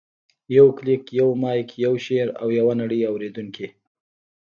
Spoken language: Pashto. یو کلیک، یو مایک، یو شعر، او یوه نړۍ اورېدونکي.